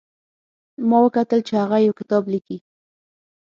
ما وکتل چې هغه یو کتاب لیکي